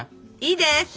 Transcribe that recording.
いいです！